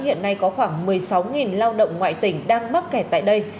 hiện nay có khoảng một mươi sáu lao động ngoại tỉnh đang mắc kẹt tại đây